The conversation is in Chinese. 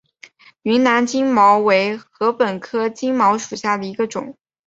云南金茅为禾本科金茅属下的一个种。